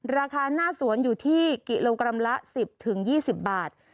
ราคาหน้าสวนอยู่ที่กิโลกรัมละสิบถึงยี่สิบบาท